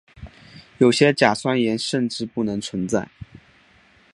有些甲酸盐甚至不能存在。